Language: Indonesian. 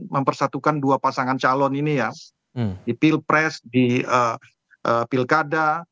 mempersatukan dua pasangan calon ini ya di pilpres di pilkada